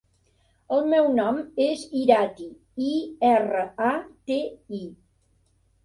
El meu nom és Irati: i, erra, a, te, i.